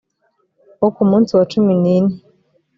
wo ku munsi wa cumi n ine